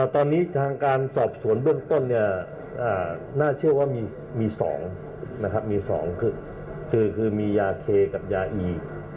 ตอนนี้ทางการสอบสวนด้วยต้นน่าเชื่อว่ามี๒คือมียาเคกับยาอี